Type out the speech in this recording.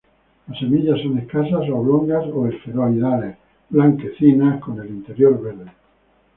Las semillas son escasas, oblongas o esferoidales, blanquecinas, con el interior verde.